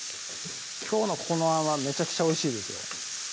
きょうのこのあんはめちゃくちゃおいしいですよ